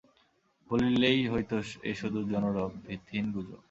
বলিলেই হইত এ শুধু জনরব, ভিত্তিহীন গুজব!